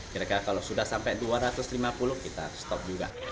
kira kira kalau sudah sampai dua ratus lima puluh kita stop juga